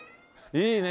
いいね